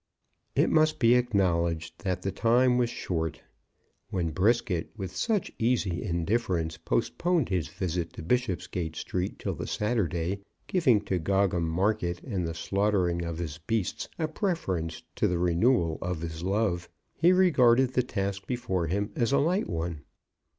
It must be acknowledged that the time was short. When Brisket, with such easy indifference, postponed his visit to Bishopsgate Street till the Saturday, giving to Gogham Market and the slaughtering of his beasts a preference to the renewal of his love, he regarded the task before him as a light one.